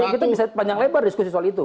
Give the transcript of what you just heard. kita bisa panjang lebar diskusi soal itu